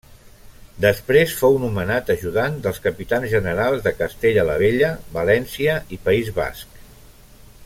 Després fou nomenat ajudant dels Capitans Generals de Castella la Vella, València i País Basc.